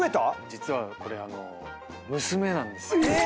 実はこれ娘なんです。えっ！